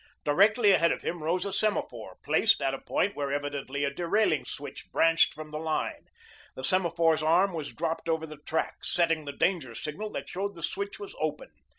Directly ahead of him rose a semaphore, placed at a point where evidently a derailing switch branched from the line. The semaphore's arm was dropped over the track, setting the danger signal that showed the switch was open.